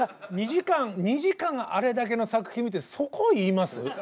２時間２時間あれだけの作品見てそこ言います？